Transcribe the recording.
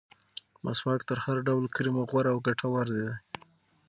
مسواک تر هر ډول کریمو غوره او ګټور دی.